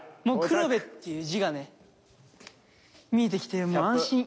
もう「黒部」っていう字がね見えてきてもう安心。